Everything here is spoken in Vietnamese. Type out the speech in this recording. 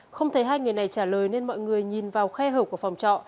không thấy hai người này trả lời nên mọi người nhìn vào khe hở của phòng trọ